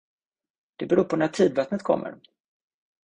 Det beror på när tidvattnet kommer.